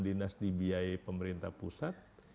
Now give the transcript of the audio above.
dinas dibiayai pemerintah pusat